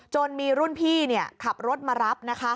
มีรุ่นพี่ขับรถมารับ